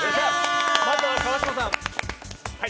まずは川島さん。